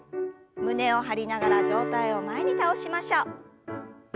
胸を張りながら上体を前に倒しましょう。